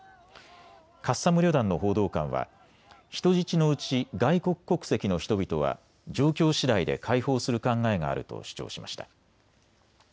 カッサム旅団の報道官は人質のうち外国国籍の人々は状況しだいで解放する考えがあると主張しました。